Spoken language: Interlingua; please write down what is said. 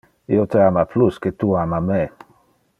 Io te ama plus que tu ama me.